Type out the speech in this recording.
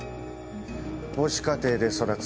母子家庭で育つ。